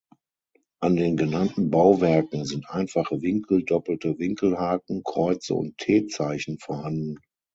An den genannten Bauwerken sind einfache Winkel, doppelte Winkelhaken, Kreuze und T-Zeichen vorhanden.